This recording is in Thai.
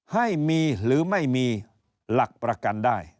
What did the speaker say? ให้มีหรือไม่มีหลักประกันได้